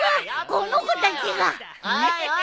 この子たちが。